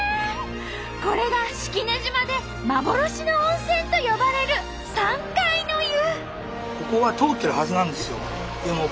これが式根島で幻の温泉と呼ばれる山海の湯。